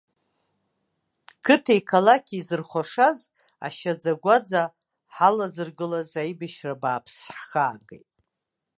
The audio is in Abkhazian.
Қыҭеи қалақьи зырхәашаз, ашьаӡа-гәаӡа ҳалазыргылаз аибашьра бааԥс ҳхаагеит.